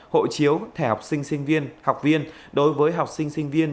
hộ chiếu thẻ học sinh sinh viên học viên đối với học sinh sinh viên